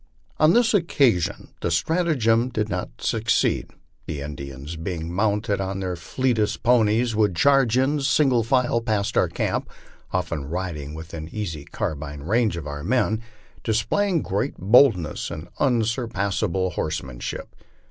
On this occasion the stratagem did not suc ceed. The Indians, being mounted on their fleetest ponies, would charge in single file past our camp, often riding within easy carbine range of our men, displaying great boldness and unsurpassable horsemanship.